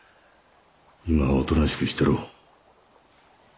今はおとなしくしてろ。